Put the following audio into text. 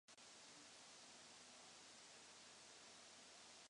Mimo množení semeny a dělením trsů se množí ovšem i řízkováním brzy na jaře.